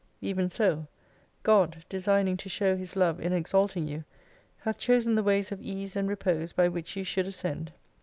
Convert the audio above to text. Even so, God designing to show His Love in exalting you hath chosen the ways of ease and repose by which you should ascend.